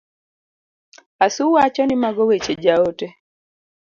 Asu wacho ni mago weche ja ote.